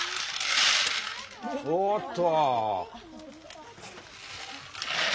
おっと。